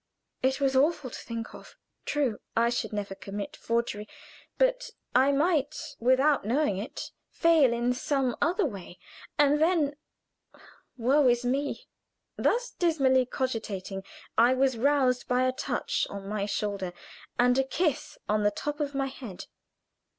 It was awful to think of. True, I should never commit forgery; but I might, without knowing it, fail in some other way, and then woe to me! Thus dismally cogitating I was roused by a touch on my shoulder and a kiss on the top of my head.